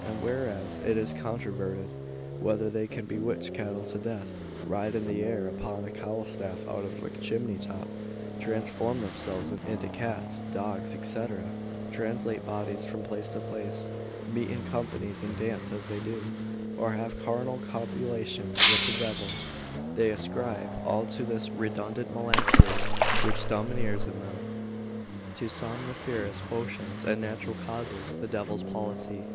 And whereas it is controverted, whether they can bewitch cattle to death, ride in the air upon a cowl staff out of a chimney top, transform themselves into cats, dogs, &c., translate bodies from place to place, meet in companies, and dance, as they do, or have carnal copulation with the devil, they ascribe all to this redundant melancholy, which domineers in them, to somniferous potions, and natural causes, the devil's policy.